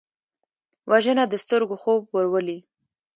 وژنه د سترګو خوب ورولي